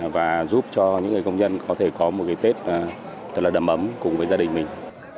và giúp cho những người công nhân có thể có một cái tết thật là đầm ấm cùng với gia đình mình